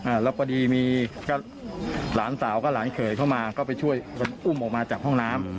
แล้วพอดีมีก็หลานสาวก็หลานเขยเข้ามาก็ไปช่วยอุ้มออกมาจากห้องน้ำ